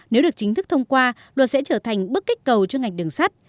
nếu được chính thức thông qua luật sẽ trở thành bức kích cầu cho ngành đường sắt